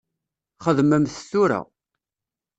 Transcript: Xedmem-t tura.